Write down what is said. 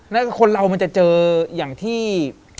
แล้วคนเรามันจะเจออย่างที่